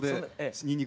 ニンニク。